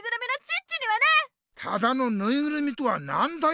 「ただのぬいぐるみ」とはなんだよ！